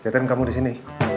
catherine kamu disini